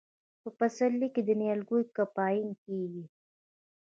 په پسرلي کې د نیالګیو کمپاین کیږي.